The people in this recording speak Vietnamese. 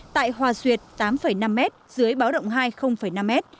tại hòa duyệt tám năm m dưới báo động hai năm m